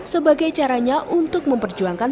sebagai caranya untuk memperjuangkan